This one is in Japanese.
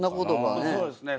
そうですね。